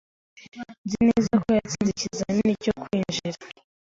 Nzi neza ko yatsinze ikizamini cyo kwinjira.